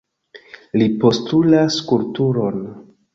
Li postulas kulturon.